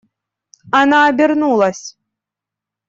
Она обернулась.